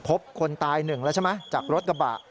พบคนตาย๑แล้วใช่ไหมจากรถกระบะ